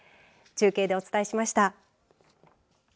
中継でお伝えしました。